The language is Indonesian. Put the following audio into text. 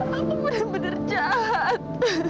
aku benar benar jahat